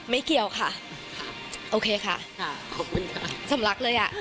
ไม่เกี่ยวค่ะโอเคค่ะสำรับเลยห้า